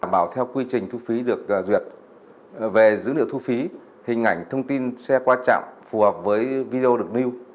bảo theo quy trình thu phí được duyệt về dữ liệu thu phí hình ảnh thông tin xe qua trạm phù hợp với video được nêu